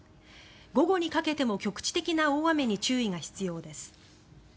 午後にかけても局地的な大雨に注意が必要です。